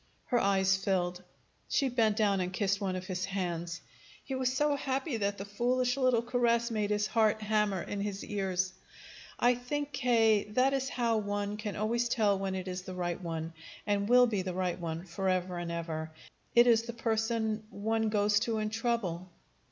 Her eyes filled. She bent down and kissed one of his hands. He was so happy that the foolish little caress made his heart hammer in his ears. "I think, K., that is how one can always tell when it is the right one, and will be the right one forever and ever. It is the person one goes to in trouble."